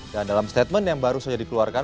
dan dalam statement yang baru saja dikeluarkan